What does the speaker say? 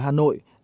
nhất là khu phòng